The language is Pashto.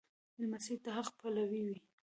لمسی د حق پلوی وي.